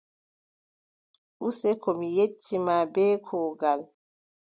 Useko mi yetti ma bee kuugal.